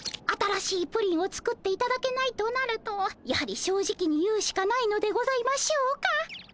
新しいプリンを作っていただけないとなるとやはり正直に言うしかないのでございましょうか。